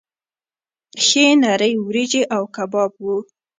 ښې نرۍ وریجې او کباب وو.